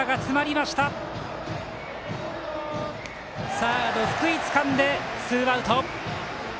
サード、福井つかんでツーアウト。